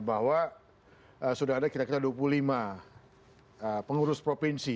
bahwa sudah ada kira kira dua puluh lima pengurus provinsi